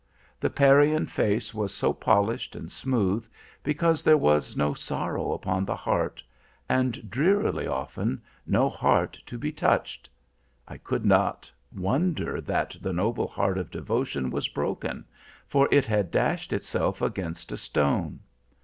The Parian face was so polished and smooth, because there was no sorrow upon the heart,—and, drearily often, no heart to be touched. I could not wonder that the noble heart of devotion was broken, for it had dashed itself against a stone.